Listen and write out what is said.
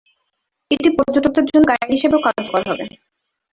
এটি পর্যটকদের জন্য গাইড হিসাবেও কার্যকর হবে।